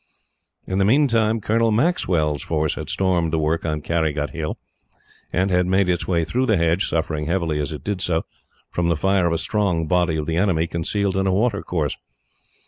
In the meantime, Colonel Maxwell's force had stormed the work on Carrygut Hill, and had made its way through the hedge; suffering heavily, as it did so, from the fire of a strong body of the enemy, concealed in a water course.